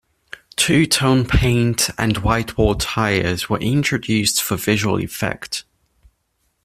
Twotone paint and white-wall tyres were introduced for visual effect.